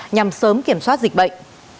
nhằm sớm kiểm soát dịch bệnh